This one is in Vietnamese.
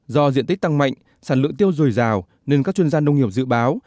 do diện tích tăng mạnh sản lượng tiêu rùi rào nên các chuyên gia nông nghiệp dự báo